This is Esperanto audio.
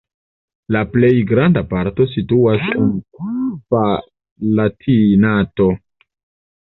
La plej granda parto situas en Palatinato.